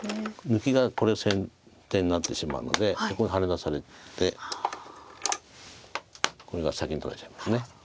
抜きがこれ先手になってしまうのでここにハネ出されてこれが先に取られちゃいます。